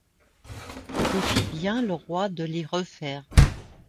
Ie défie bien le Roy de les refaire.